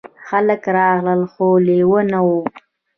خلک راغلل خو لیوه نه و.